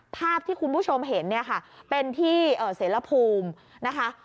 ภาพที่คุณผู้ชมเห็นเป็นที่เสรภูมิ